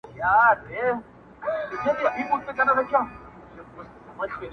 • له خوب چي پاڅي، توره تياره وي.